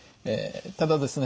ただですね